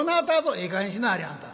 「ええかげんにしなはれあんた。